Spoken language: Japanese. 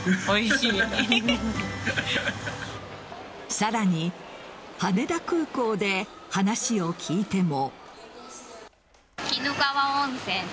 さらに、羽田空港で話を聞いても。